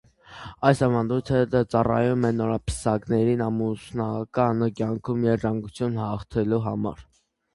Այս ավանդույթը ծառայում է նորապսակներին ամուսնական կյանքում երջանկություն մաղթելու համար։